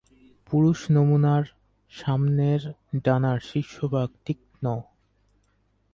পুরুষ নমুনার সামনের ডানার শীর্ষভাগ তীক্ষ্ণ।